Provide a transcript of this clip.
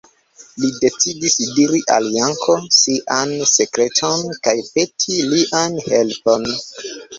Li decidis diri al Janko sian sekreton kaj peti lian helpon.